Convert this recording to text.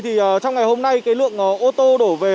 thì trong ngày hôm nay cái lượng ô tô đổ về